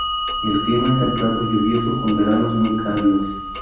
El clima es templado lluvioso, con veranos muy cálidos.